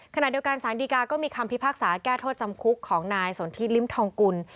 ขณะเดียวกันสารดีกาก็มีคำพิพากษาแก้โทษจำคุกของนายสนทิลิ้มทองกุล